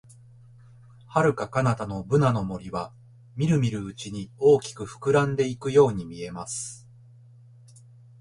遥か彼方のブナの森は、みるみるうちに大きく膨らんでいくように見えます。